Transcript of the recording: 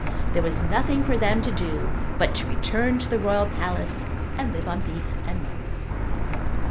There was nothing for them to do but to return to the royal palace and live on beef and mutton.